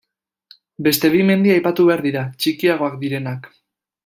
Beste bi mendi aipatu behar dira, txikiagoak direnak.